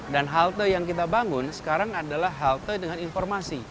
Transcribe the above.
dan halte yang kita bangun sekarang adalah halte dengan informasi